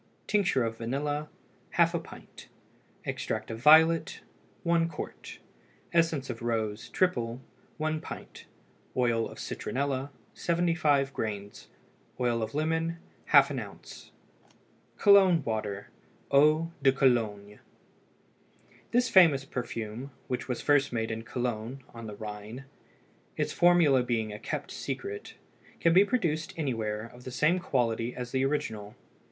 Tincture of vanilla ½ pint. Extract of violet 1 qt. Essence of rose (triple) 1 pint. Oil of citronella 75 grains. Oil of lemon ½ oz. COLOGNE WATER (EAU DE COLOGNE). This famous perfume, which was first made in Cologne on the Rhine, its formula being kept secret, can be produced anywhere of the same quality as the original.